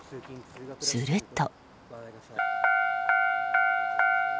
すると。